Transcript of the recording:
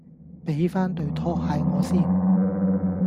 俾番對拖鞋我先